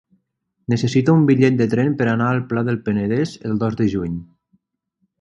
Necessito un bitllet de tren per anar al Pla del Penedès el dos de juny.